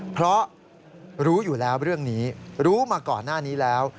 เพราะรู้อยู่แล้วเรื่องนี้รู้มาก่อนหน้านี้แล้ว